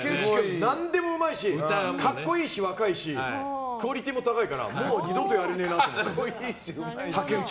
何でもうまいし格好いいし若いしクオリティーが高いからもう二度とやらねえなと思って。